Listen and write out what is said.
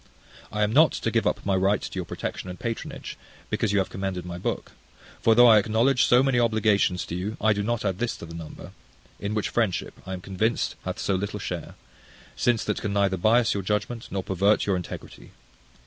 I am not to give up my right to your protection and patronage, because you have commended my book: for though I acknowledge so many obligations to you, I do not add this to the number; in which friendship, I am convinced, hath so little share: since that can neither biass your judgment, nor pervert your integrity.